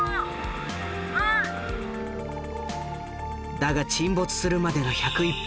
だが沈没するまでの１０１分。